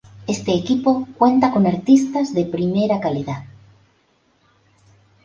Este equipo cuenta con artistas de primera calidad".